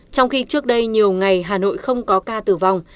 trong khi trước đây nhiều ngày hà nội không có ca tử vong